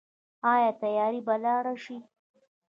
آیا تیارې به لاړې شي؟